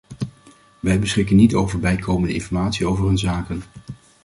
Wij beschikken niet over bijkomende informatie over hun zaken.